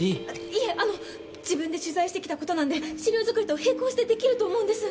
いえあの自分で取材してきた事なんで資料作りと並行してできると思うんです。